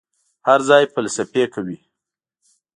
هر ځای فلسفې کوي.